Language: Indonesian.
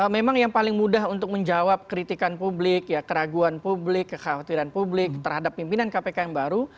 memang yang paling mudah untuk menjawab kritikan publik ya keraguan publik kekhawatiran publik terhadap pimpinan kpk yang baru